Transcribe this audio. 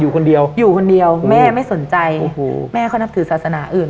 คนเดียวอยู่คนเดียวแม่ไม่สนใจโอ้โหแม่เขานับถือศาสนาอื่น